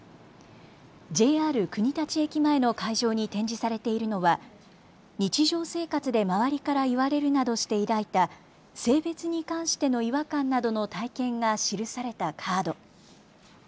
ＪＲ国立駅前の会場に展示されているのは日常生活で周りから言われるなどして抱いた性別に関しての違和感などの体験が記されたカード。